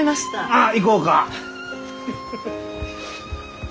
ああ行こうか。